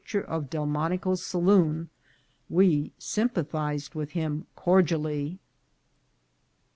413 ture of Delmonico's saloon, we sympathized with him cordially.